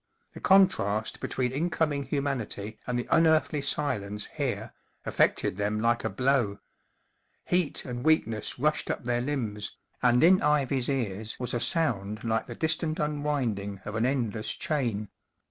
The contrast between incoming humanity and the unearthly silence here affected them like a blow. Heat and weak¬ ness rushed up their limbs, and in Ivy's ears was a sound like the distant unwinding of an endless chain.